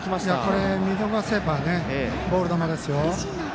これ見逃せばボール球ですよ。